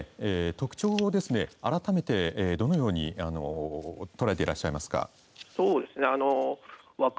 特徴をですね、改めてどのように捉えていらっしゃいますか。